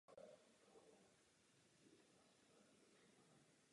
A proto ji skutečně musíme hájit.